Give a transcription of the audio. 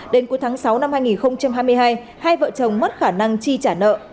đến cuối tháng sáu năm hai nghìn hai mươi hai hai vợ chồng mất khả năng chi trả nợ